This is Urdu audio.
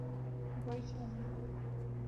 گوئچ ان